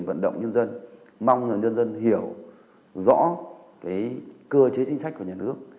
vận động nhân dân mong là nhân dân hiểu rõ cơ chế chính sách của nhà nước